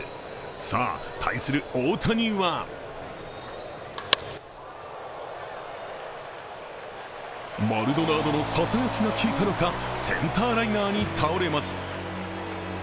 さあ、対する大谷はマルドナードのささやきがきいたのか、センターライナーに倒れます。